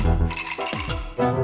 terima kasih bang